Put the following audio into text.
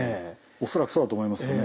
恐らくそうだと思いますよね。